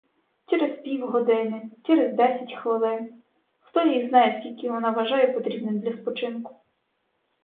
Через півгодини, через десять хвилин, хто її знає, скільки вона вважає потрібним для спочинку.